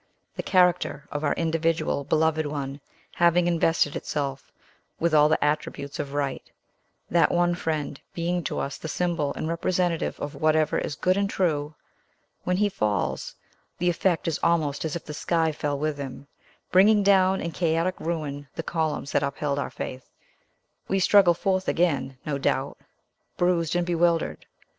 The character of our individual beloved one having invested itself with all the attributes of right, that one friend being to us the symbol and representative of whatever is good and true, when he falls, the effect is almost as if the sky fell with him, bringing down in chaotic ruin the columns that upheld our faith. We struggle forth again, no doubt, bruised and bewildered.